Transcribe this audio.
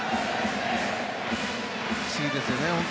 不思議ですよね。